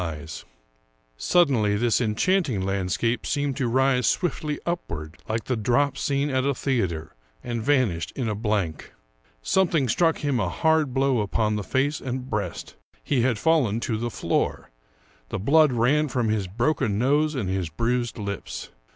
io8 Ambrose Bierce Suddenly this enchanting landscape seemed to rise swiftly upward, like the drop scene at a theater, and vanished in a blank. Something struck him a hard blow upon the face and breast. He had fallen to the floor ; the blood ran from his broken nose and his bruised lips.